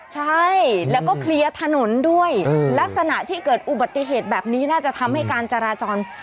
ใช่แล้วก็เคลียร์ถนนด้วยลักษณะที่เกิดอุบัติเหตุแบบนี้น่าจะทำให้การจราจร